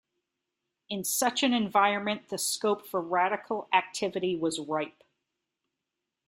In such an environment the scope for radical activity was ripe.